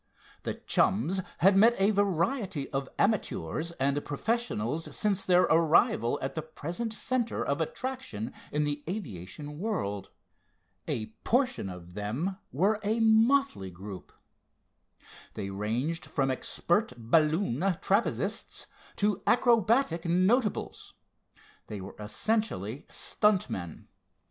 The chums had met a variety of amateurs and professionals since their arrival at the present centre of attraction in the aviation world. A portion of them were a motley group. They ranged from expert balloon trapezists to acrobatic notables. They were essentially "stunt" men.